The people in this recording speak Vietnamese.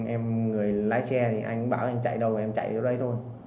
em người lái xe thì anh bảo anh chạy đâu em chạy vô đây thôi